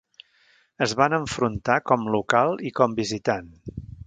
Es van enfrontar com local i com visitant.